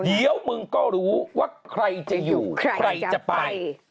เดี๋ยวมึงก็รู้ว่าใครจะอยู่ใครจะไป